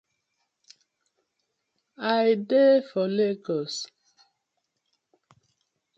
I dey Legos.